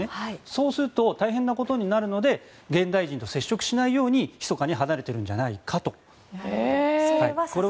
そうすると大変なことになるので現代人と接触しないようにひそかに離れているんじゃないかと。